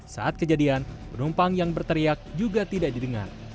saat kejadian penumpang yang berteriak juga tidak didengar